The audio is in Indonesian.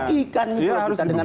kita juga akan merupikan